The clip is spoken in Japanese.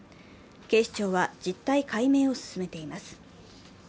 警視庁は実態解明を進めています。